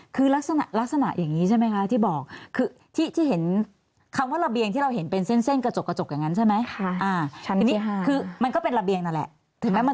คือลักษณะอย่างนี้ใช่ไหมคะที่บอกคือที่เห็นคำว่าระเบียงที่เราเห็นเป็นเส้นกระจกกระจกอย่างนั้นใช่ไหม